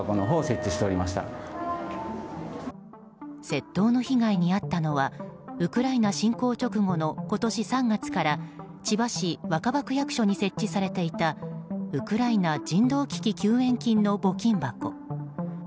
窃盗の被害に遭ったのはウクライナ侵攻直後の今年３月から千葉市若葉区役所に設置されていたウクライナ人道危機救援金の募金箱。